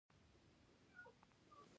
دا ځواک د انسان د ژبې له برکته ممکن شو.